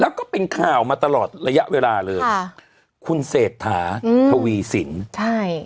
แล้วก็เป็นข่าวมาตลอดระยะเวลาเลยค่ะคุณเศรษฐาอืมทวีสินใช่